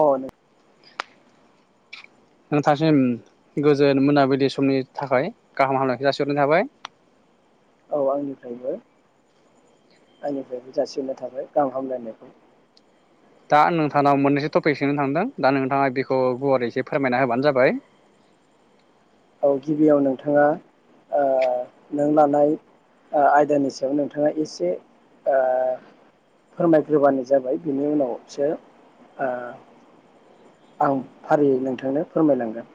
अ नों नोंथांसिम गोजोन मोनाबिलि समनि थाखाय गाहाम हामनायखौ जासिहरनाय थाबाय। औ आंनिफ्रायबो आंनिफ्रायबो जासिहनाय थाबाय गाहाम हामलायनायखौ। दा नोंथानाव मोननैसौ टपिक सोंनो थांदों दा नोंथाङा बेखौ गुवारै एसे फोरमायना होबानो जाबाय? औ गिबियाव नोंथाङा ओ नों लानाय आयदानि सायाव नोंथाङा एसे ओ फोरमायग्रोबानो जाबाय बिनि उनावसो ओ आं फारियै नोंथांनो फोरमायलांगोन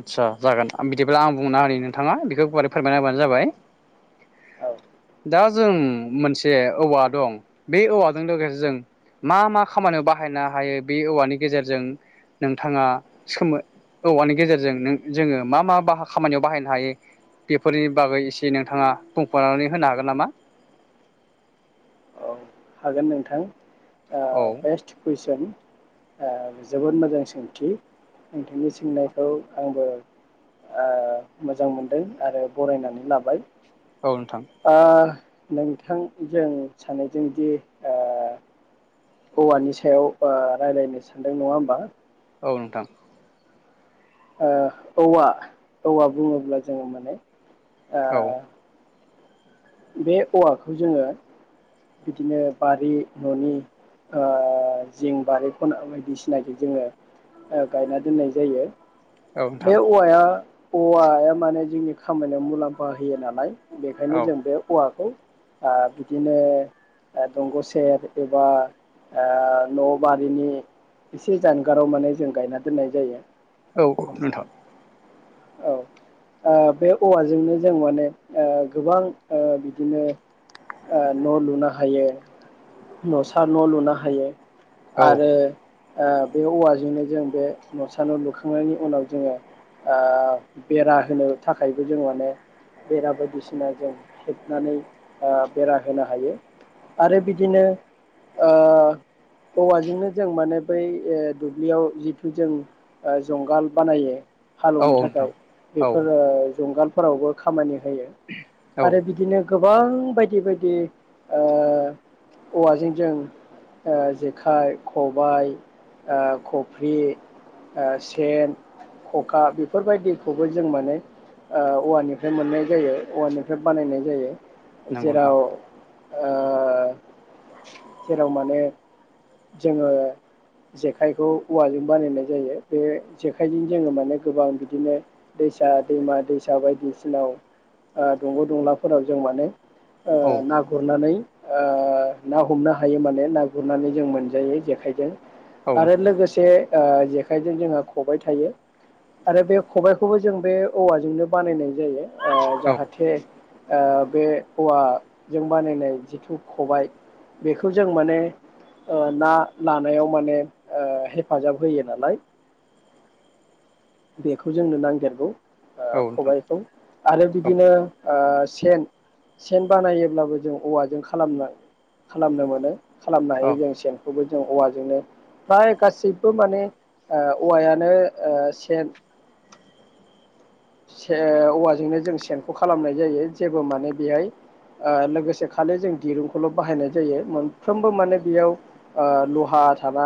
आदसा जागोन आं बिदिब्ला आं बुंना होनि नोंथाङा बेखौ गुवारै फोरमायना होबानो जाबाय। औ दा जों मोनसे औवा दं बे औवाजों लोगोसे जों मा मा खामानियाव बाहायनो हायो बे औवानि गेजेरजों नोंथाङा सोमो औवानि गेजेरजों नों जोङो मा मा ब खामानियाव बाहायनो हायो बेफोरनि बागै एसे नोंथाङा बुंफोरनानै होनो हागोन नामा? औ हागोन नोंथां। ओ औ बेस्ट कुइसन ओ जोबोद मोजां सोंथि नोंथांनि सोंनायखौ आंबो ओ मोजां मोनदों आरो बरायनानै लाबाय औ नोंथां । ओ नोंथां जों सानै जोंदि ओ औवानि सायाव ओ रायज्लायनो सानदों नङा होमबा? औ नोंथां । ओ औवा औवा बुङोब्ला जोङो माने ओ औ बे औवाखौ जोङो बिदिनो बारि न'नि ओ जिं बारि ख'ना बायदिसिनाखि जोङो गायना दोननाय जायो औ बे नोंथां औवाया औवाया माने जोंनि खामानियाव मुलाम्फा होयो नालाय बेखायनो औ जों बे बेखौ ओ बिदिनो दंग' सेर एबा ओ न' बारिनि एसे जानगाराव माने जों गायना दोननाय जायो । औ औ नोंथां । औ ओ बे औवाजोंनो जों माने ओ गोबां ओ बिदिनो ओ न' लुनो हायो न'सा न' लुनो हायो । औ आरो ओ बे औवाजोंनो जों बे न'सा न' लुखांनायनि उनाव जोङो ओ बेरा होनो थाखायबो जों माने बेरा बायदिसिना जों हेबनानै ओ बेरा होनो हायो आरो बिदिनो ओ औवाजोंनो जों माने बै ओ दुब्लियाव जिथु जों जुंगाल बानायो औ हालेवनो थाखाय नोंथां औ बेफोर ओ जुंगाल फोरावबो खामानि औ [unintelligible] आरो बिदिनो गोबां बायदि बायदि ओ औवाजों जों ओ जेखाइ खबाय ओ खफ्रि ओ सेन खखा बेफोरबायदिखौबो जों माने ओ औवानिफ्राय मोननाय जायो औवानिफ्राय बानायनाय जायो नंगौ नोंथां जेराव ओ जेराव माने जोङो जेखाइखौ औवाजों बानायनाय जायो बे जेखायनि जोङो माने गोबां बिदिनो दैसा दैमा दैसा बायदिसिनाव ओ दंग' दंलाफोराव जों माने औ ओ ना गुरनानै ओ ना हमनो हायो माने ना गुरनानै जों मोनजायो जेखाइजों औ आरो नोंथां लोगोसे ओ जेखाइजों जोंहा खबाय थायो आरो बे खबायखौबो जों बे औवाजोंनो बानायनाय जायो ओ औ जाहाथे ओ बे औवाजों बानायनाय जेखाय खबाय बेखौ जों माने ओ ना लानायाव माने ओ हेफाजाब होयो नालाय बेखौ जोंनो नांदेरगौ ओ औ नोंथां खबाइखौ आरो औ बिदिनो ओ सेन सेन बानायोबब्लाबो जों औवाजों खालामना खालामनो मोनो खालामनो औ हायो जों सेन खौबो जों औवाजोंनो फ्राय गासैबो माने औवायानो ओ सेन बे औवाजोंनो जों सेनखौ खालामनाय जायो जेबो माने बेहाय ओ लोगोसे खालि जों दिरुंखौल' बाहायनाय जायो मोनफ्रोमबो माने बेयाव ओ लहा थाना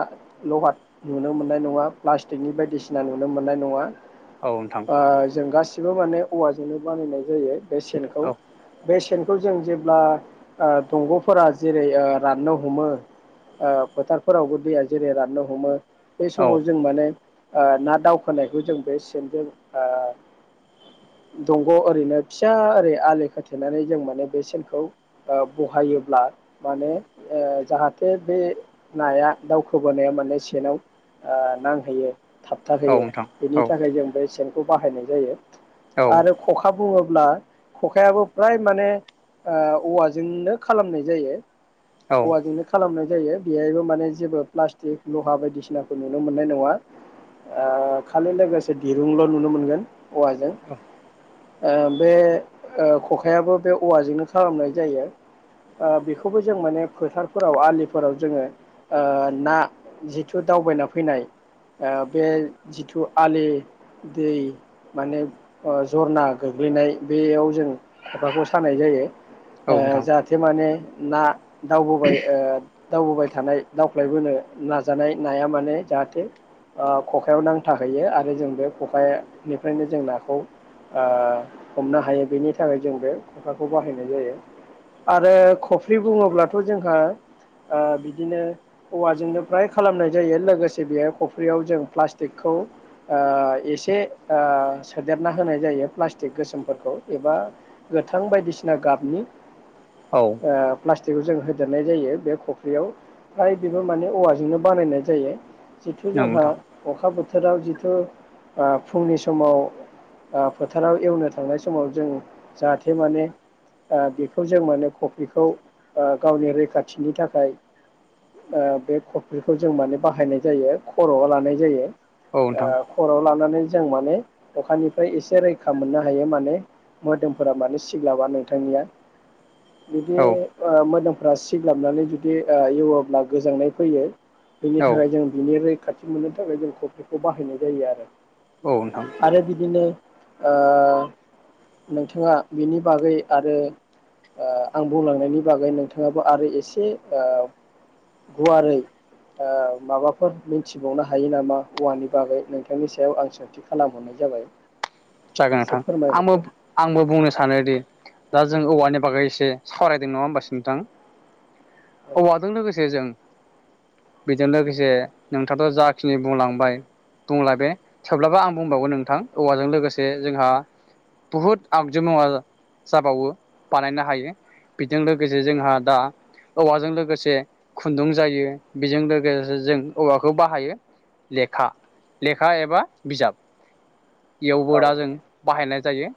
लहा नुनो मोननाय नङा प्लास्टिक बायदिसिना नु नुनो मोननाय नङा औ नोंथां ओ जों गासिबो माने औवाजोंनो बानायनाय जायो। बे सेनखौ औ बे सेन खौ जों जेब्ला ओ दंग'फोरा जेरै ओ राननो हमो ओ फोथारफोरावबो दैया जेरै राननो हमो बै औ समाव जों माने ओ ना दावखोनायखौ जों बे सेनजों ओ दंग' ओरैनो फिसा ओरै आलि खाथेनानै जों माने बे सेनखौ ओ बहायोब्ला माने ओ जाहाथे बे नाया दावखोबोनाया माने सेनाव ओ नांहैयो औ थाबथाहोयो नोंथां औ नोंथां बेनि औ थाखाय जों बे सेन खौ बाहायनाय जायो आरो खखा बुङो बा‌ खखायाबो फ्राय माने औवाजोंनो खालामनाय जायो औवाजोंनो खालामनाय जायो बेहायबो माने जेबो प्लास्टिक लहा बायदिसिनाखौ नुनो मोननाय नङा खालि लोगोसे दिरुंल' नुनो मोनगोन औवाजों ओ बे खखायाबो बे औवाजोंनो खालामनाय जायो बेखौबो जों माने फोथारफोराव आलिफोराव जोङो ना जिथु दावबायना फैनाय बे जिथु आलि दै माने जरना गोग्लैनाय बेयाव जों खखाखौ सानाय जायो जाहाथे माने ना दावबोबाय ओ दावबोबाय थानाय दावफ्लायबोनो नाजानाय नाया माने जाहाथे खखायाव नांथाहैयो आरो जों बे खखाया निफ्रायनो जों नाखौ हमनो हायो बेनि थाखाय जों बे खखाराखौ बाहायनाय जायो आरो खफ्रि बुङोब्लाथ' जोंहा बिदिनो औवाजोंनो फ्राय खालामनाय जायो लोगोसे बेहाय खफ्रियाव जों प्लास्टिकखौ एसे सोदेरना होनाय जायो प्लास्टिक गोसोमफोरखौ एबा गोथां बायदिसिना गाबनि प्लास्टिकखौ जों होदेरनाय जायो बे फख्रियाव फ्राय बेबो माने औवाजोंनो बानायनाय जायो जिथु नंगौ जोंहा नोंथां अखा बोथोर बिफोराव जिथु फुंनि समाव फोथाराव एवनो थांनाय समाव जों जाहाथे माने बेखौ जों माने खफ्रिखौ गावनि रैखाथिनि थाखाय बे खफ्रिखौ जों माने बाहायनाय जायो खर'आव लानाय जायो औ आ नोंथां खर'वाव लानानै जों माने अखानिफ्राय एसे रैखा मोननो हायो माने मोदोमफोरा माने सिग्लाबा नोंथांनिया बिदि औ ओ मोदोम फ्रा सिग्लाबनानै जुदि ओ एवाब्ला गोजांनाय फैयो बेनि औ थाखाय जों बिनि रै खाथि मोननो थाखाय जों कफ्रिखौ बाहायनाय जायो आरो औ नोंथां आरो बिदिनो ओ नोंथाङा बेनि बागै आरो ओ आं बुंलांनायनि बागै नोंथाङाबो आरो एसे ओ गुवारै ओ माबाफोर मिथिबावनो हायो नामा औवानि बागै नोंथांनि सायाव आं सों थि खालामहरनाय जाबाय जागोन एसे नोंथां आंबो फोरमायहरदो आंबो बुंनो सानोदि दा जों औवानि बागै एसे सावरायदों नङा होमबासो नोंथां औवाजों लोगोसे जों बेजों लोगोसे नोंथाङाथ' जाखिनि बुंलांबाय बुंला बे थेवब्लाबोा आं बुंबावगोन नोंथां औवाजों लोगोसे बे जोंहा बुहुद आगजु मुवा जाबावो बानायनो हायो बेजों लोगोसे जोंहा दा औवाजों लोगोसे खुन्दुं जायो बेजों लोगोसे जों औवाखौ बाहायो लेखा लेखा एबा बिजाब औ गदा जों बाहायनाय जायो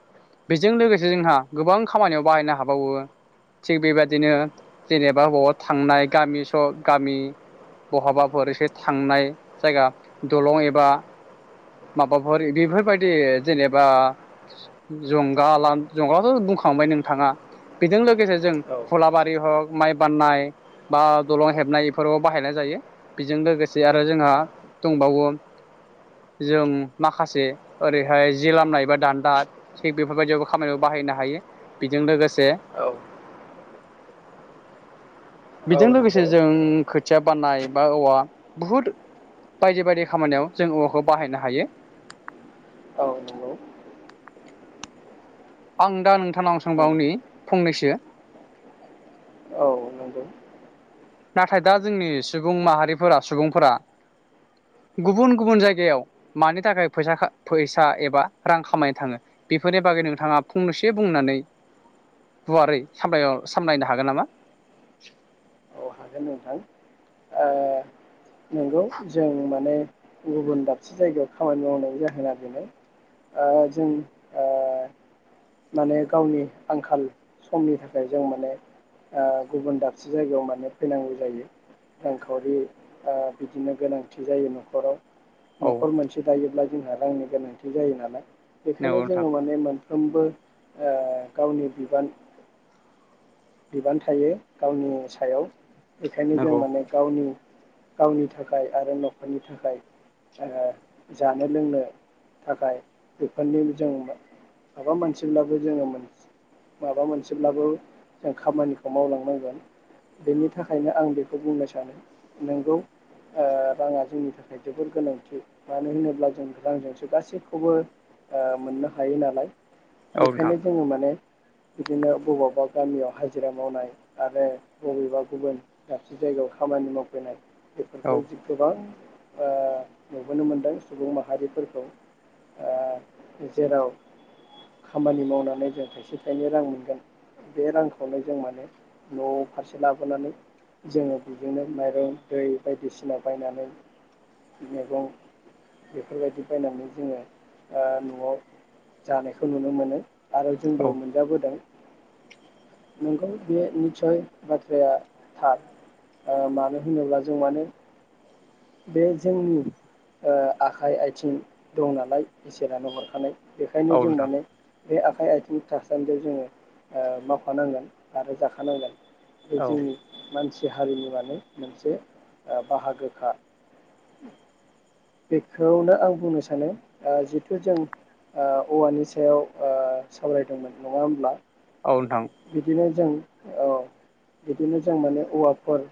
बेजों लोगोसे जोंहा गोबां खामानियाव बाहायनो हाबावो थिग बेबायदिनो जेनेबा बबावा थांनाय गामि स गामि बहाबाफोर एसे थांनाय जायगा दलं एबा माबाफोर बेफोरबायदि जेनेबा जंगाला जंगलाथ' बुंखांबाय नोंथाङा बेजों लोगोसे जों औ फुलाबारि हग माइ बान्नाय बा दलं हेबनाय बेफोराव बाहायनाय जायो बेजों लोगोसे आरो जोंहा दंबावो जों माखासे ओरै बेहाय जि लामनाय एबा दान्दा थिग बेफोरबायदिया‌व खामानियाव बाहायनो हायो बेजों लोगोसे औ औ बेजों लोगोसे नंगौ जों खो खोथिया बाननाय बा औवा बुहुद बायदि बायदि खामानियाव जों औवाखौ बाहायनो हायो। औ नंगौ आं दा नोंथांनाव सांबावनि फंनैसो। औ नंगौ नाथाय दा जोंनि सुबुं माहारिफोरा सुबुंफोरा गुबुन गुबुन जायगायाव मानि थाखाय फैसा फैसा एबा रां खामायनो थाङो बेफोरनि बागै नोंथाङा फंनैस बुंनानै गुवारै साम सामलायनो हागोन नामा। अ हागोन नोंथां ओ। नंगौ जों माने। गुबुन दाबसे जायगायाव खामानि मावनायनि जाहोना बेनो ओ जों ओ माने गावनि आंखाल समनि थाखाय जों माने ओ गुबुन दाबसे जायगायाव माने फैनांगौ जायो रांखावरि ओ बिदिनो गोनांथि जायो न'खराव औ न'खर मोनसे दायोब्ला। जोंहा रांनि गोनांथि जायो नालाय बेखायनो नंगौ नोंथां जोङो माने मोन। ओमबो ओ गावनि बिबान बिबान थायो गावनि सायाव बेखायनो जों नंगौ माने गावनि गावनि थाखाय आरो न'खरनि थाखाय ओ जानो लोंनो थाखाय बेफोरनि जों माबा मोनसेब्लाबो जोङो माबा मोनसेब्लाबो जों खामानिखौ मावलांनांगोन बेनि थाखायनो आं बेखौ बुंनो सानो नोंगौ ओ राङा जोंनि थाखाय जोबोर गोनांथि मानो होनोब्ला जों रांजोंसो गासैखौबो ओ मोननो हायो नालाय औ नोंथां बेखायनो जोङो माने बिदिनो बबावबा गामियाव हाजिरा मावनाय आरो बबेबा गुबुन दाबसे जायगायाव खामानि मावफैनाय औ बेफोरफोरखौजि गोबां आ नुबोनो मोनदों सुबुं माहारिफोरखौ जेराव खामानि मावनानै जों थाइसे थाइनै रां मोनगोन बे रांखौनो जों माने न' फारसे लाबोनानै जोङो बेजोंनो माइरं दै बायदिसिना बायनानै मैगं बेफोरबायदि बायनानै जोङो आ नआव जानायखौ नुनो मोनो आरो जोंबो औ मोनजाबोदों नोंगौ बे निसय बाथ्राया थार ओ मानो होनोब्ला जों मानो बे जोंनि ओ आखाइ आथिं दं नालाय इसोरानो हरखानाय बेखायनो औ जों नोंथां माने बे आख आखाइ आथिं थासानदियाव जोङो मावफानांगोन आरो जाखानांगोन औ जोंनि मानसि हारिनि माने मोनसे बाहागोखा बेखौनो आं बुंनो सानो आ जिहथु ओ जों औवानि सायाव सावरायदोंमोन नङा होमब्ला औ नोंथां बिदिनो जों औ बिदिनो जों माने औवाफोर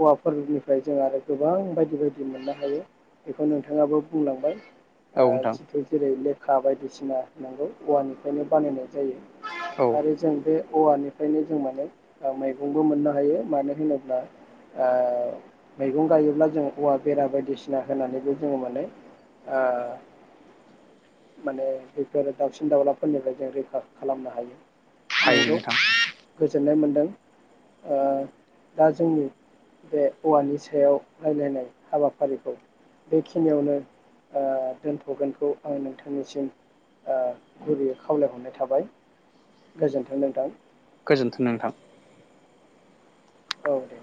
औवाफोरनिफ्राय जों आरो गोबां बायदि। जिबायदि मोननो हायो बेखौ नोंथाङाबो बुंलांबाय आ औ नोंथां जिथु जेरै लेख खा बायदिसिना नांगौ औवानिफ्रायनो बानायनाय जायो औ आरो जों बे औवानिफ्रायनो जों माने मैगंबो मोननो हायो मानो होनोब्ला मैगं गायोब्ला जों औवा बेरा बायदिसिना होनानैबो जोङो माने माने बेफोर दाउसिन दाउलाफोरनिफ्राय जों रैखा खालामनो हायो। हायो नंगौ नोंथां गोजोननाय मोन्दों। आ दा जोंनि बे औवानि सायाव रायलायनाय हाबाफारिखौ बेखिनियावनो ओ दोनथ'गोनखौ आं नोंथांनिसिम ओ गुरैयै खावलायहरनाय थाबाय गोजोन्थों नोंथां गोजोन्थों नोंथां औ दे